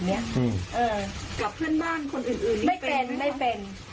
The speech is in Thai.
เนี้ยเออกับเพื่อนบ้านคนอื่นอื่นนี่เป็นไหมไม่เป็นไม่เป็น